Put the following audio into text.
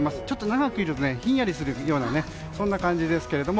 長くいるとひんやりするような感じです。